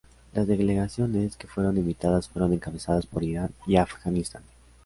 Las delegaciones que fueron invitadas fueron encabezadas por Irán y Afganistán.